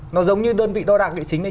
nó giống như đơn vị đo đạc địa chính đấy